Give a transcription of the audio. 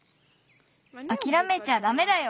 あきらめちゃダメだよ！